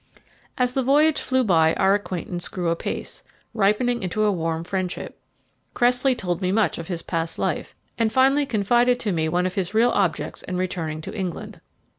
As the voyage flew by our acquaintance grew apace, ripening into a warm friendship. Cressley told me much of his past life, and finally confided to me one of his real objects in returning to England.